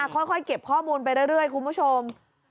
ค่อยเก็บข้อมูลไปเรื่อยคุณผู้ชม